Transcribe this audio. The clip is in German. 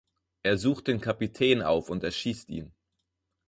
Er sucht den Kapitän auf und erschießt ihn.